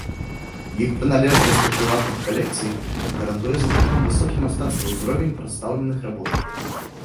Іх прыналежнасць да прыватных калекцый гарантуе знатакам высокі мастацкі ўзровень прадстаўленых работ.